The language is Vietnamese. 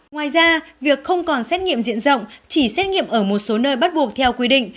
ngoài ra việc không còn xét nghiệm diện rộng chỉ xét nghiệm ở một số nơi bắt buộc theo quy định